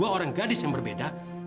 dan dua orang gadis yang berbeda